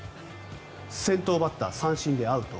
先頭バッター、三振でアウト。